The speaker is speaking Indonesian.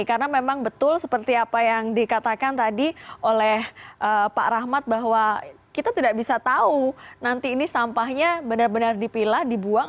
karena memang betul seperti apa yang dikatakan tadi oleh pak rahmat bahwa kita tidak bisa tahu nanti ini sampahnya benar benar dipilah dibuang